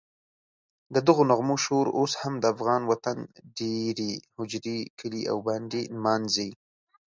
ددغو نغمو شور اوس هم د افغان وطن دېرې، هوجرې، کلي او بانډې نمانځي.